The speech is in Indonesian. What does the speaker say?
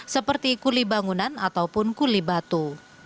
seperti kuli bangunan ataupun kuli batu